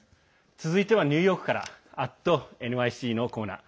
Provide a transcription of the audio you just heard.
続いてはニューヨークから「＠ｎｙｃ」のコーナー。